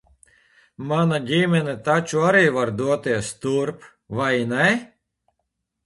Mana ģimene taču arī var doties turp, vai ne?